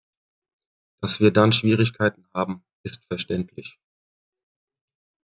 Dass wir dann Schwierigkeiten haben, ist verständlich.